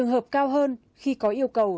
hợp cao hơn khi có yêu cầu